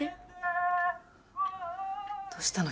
どうしたの？